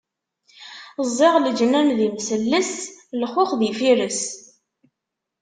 Ẓẓiɣ leǧnan d imselles, lxux d ifires.